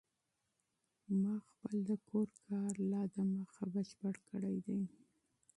ما خپل د کور کار لا د مخه بشپړ کړی دی.